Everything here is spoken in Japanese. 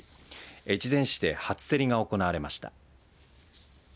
越前市で初競りが行われました。